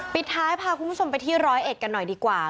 ปิดท้ายพาคุณผู้ชมไปที่ร้อยเอ็ดกันหน่อยดีกว่า